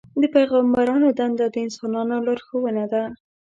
د پیغمبرانو دنده د انسانانو لارښوونه ده.